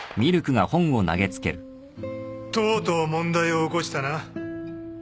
とうとう問題を起こしたなＭＩ７。